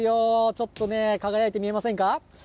ちょっと輝いて見えませんか。